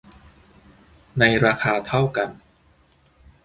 ในราคาเท่ากัน